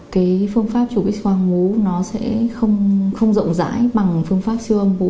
cái phương pháp trục x quang vố nó sẽ không rộng rãi bằng phương pháp siêu âm vũ